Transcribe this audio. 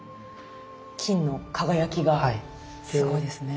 金の輝きがすごいですね。